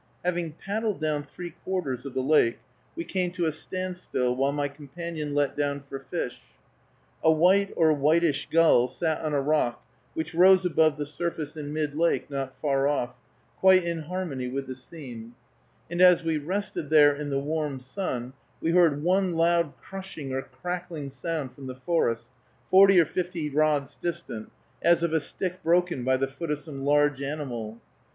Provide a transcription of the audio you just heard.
Having paddled down three quarters of the lake, we came to a standstill, while my companion let down for fish. A white (or whitish) gull sat on a rock which rose above the surface in mid lake not far off, quite in harmony with the scene; and as we rested there in the warm sun, we heard one loud crushing or crackling sound from the forest, forty or fifty rods distant, as of a stick broken by the foot of some large animal.